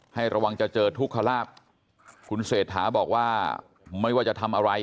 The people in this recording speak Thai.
ให้ระวังจะเจอทุกขลาบคุณเศรษฐาบอกว่าไม่ว่าจะทำอะไร